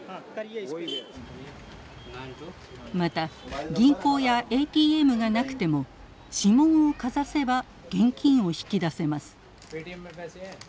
また銀行やＡＴＭがなくても指紋をかざせば現金を引き出せます。